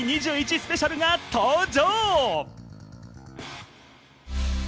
スペシャルが登場！